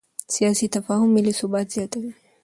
سیاسي تفاهم ملي ثبات زیاتوي